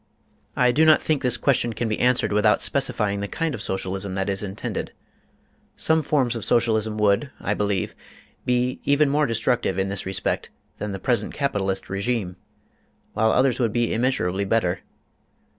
I do not think this question can be answered without specifying the kind of Socialism that is intended: some forms of Socialism would, I believe, be even more destructive in this respect than the present capitalist regime, while others would be immeasurably better.